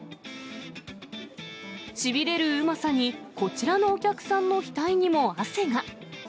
しびれるうまさにこちらのお客さんの額にも汗が。